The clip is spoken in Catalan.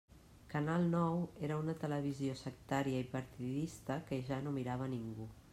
Canal Nou era una televisió sectària i partidista que ja no mirava ningú.